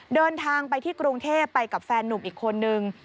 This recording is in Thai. เดินทางไปที่กรุงเทพไปกับแฟนนุ่มอีกคนนึง